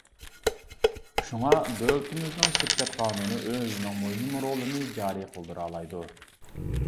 شۇڭا، دۆلىتىمىزنىڭ شىركەت قانۇنى ئۆزىنىڭ مۇھىم رولىنى جارى قىلدۇرالايدۇ.